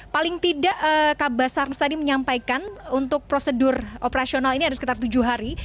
paling tidak kabasarnas tadi menyampaikan untuk prosedur operasional ini ada sekitar tujuh hari